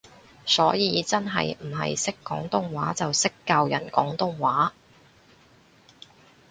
所以真係唔係識廣東話就識教人廣東話